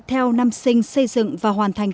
theo năm sinh xây dựng và hoàn thành